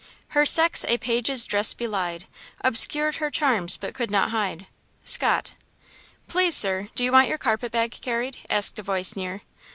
Her sex a page's dress belied, Obscured her charms but could not hide. –SCOTT. "PLEASE, sir, do you want your carpet bag carried?" asked a voice near.